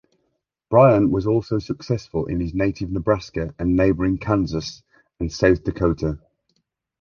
Bryan was also successful in his native Nebraska and neighboring Kansas and South Dakota.